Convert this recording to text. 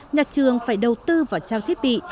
nhà trường phải đầu tư vào trang thiết bị